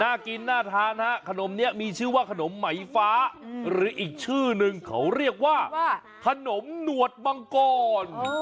น่ากินน่าทานฮะขนมนี้มีชื่อว่าขนมไหมฟ้าหรืออีกชื่อนึงเขาเรียกว่าขนมหนวดมังกร